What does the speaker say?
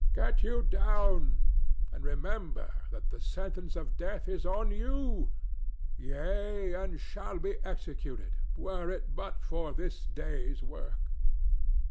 Get you down, and remember that the sentence of death is on you—yea, and shall be executed, were it but for this day's work."